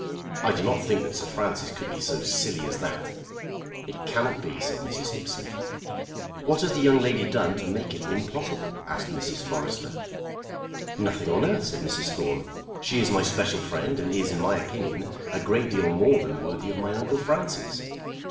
"I do not think that Sir Francis could be so silly as that." "It cannot be," said Mrs. Hippesley. "What has the young lady done to make it impossible?" asked Mrs. Forrester. "Nothing on earth," said Mrs. Thorne. "She is my special friend and is in my opinion a great deal more than worthy of my uncle Francis.